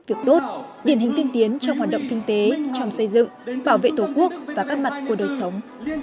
việc tốt điển hình tiên tiến trong hoạt động kinh tế trong xây dựng bảo vệ tổ quốc và các mặt của đời sống